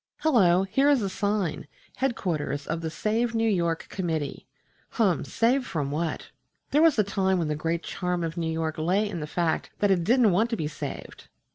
Hullo! here is a sign, "Headquarters of the Save New York Committee." Hum! Save from what? There was a time when the great charm of New York lay in the fact that it didn't want to be saved.